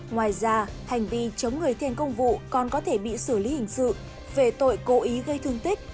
ngoài ra hành vi chống người thiền công vụ còn có thể bị xử lý hình sự về tội cố ý gây thương tích